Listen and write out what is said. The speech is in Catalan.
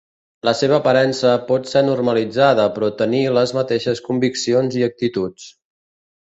La seva aparença pot ser normalitzada però tenir les mateixes conviccions i actituds.